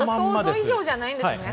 想像以上じゃないんですね。